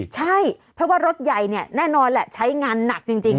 ใช่เพราะว่ารถใบนี้ใช้งานหนักจริง